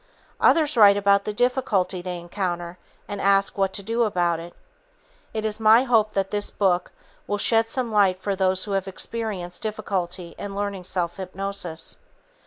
Others write about the difficulty they encounter and ask what to do about it. It is my hope that this book will shed some light for those who have experienced difficulty in learning self hypnosis.